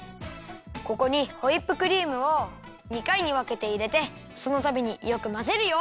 ここにホイップクリームを２かいにわけていれてそのたびによくまぜるよ。